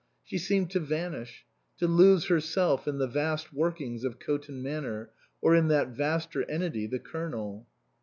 She seemed to vanish, to lose herself in the vast workings of Coton Manor, or in that vaster entity, the Colonel.